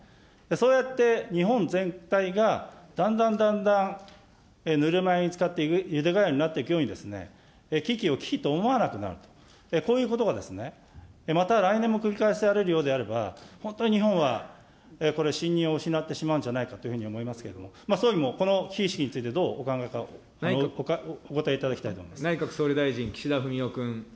そうやって日本全体が、だんだんだんだんぬるま湯につかって、ゆでガエルになっていくように、危機を危機と思わなくなると、こういうふうに、また来年も繰り返されるようであれば、本当に日本は信任を失ってしまうのではないかと思いますけれども、総理もこの危機意識についてどうお考えか、お答えいただきたいと思いま内閣総理大臣、岸田文雄君。